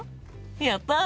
やった！